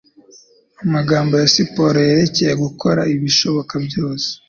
amagambo ya siporo yerekeye gukora ibishoboka byose